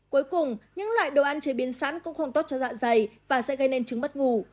cuối cùng những loại đồ ăn chế biến sẵn cũng không tốt cho dạ dày và sẽ gây nên trứng mất ngủ